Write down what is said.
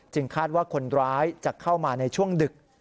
คาดว่าคนร้ายจะเข้ามาในช่วงดึก